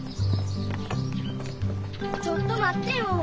ちょっと待ってよ。